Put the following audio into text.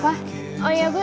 duluan ya dah